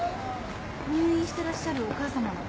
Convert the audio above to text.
入院してらっしゃるお母さまの。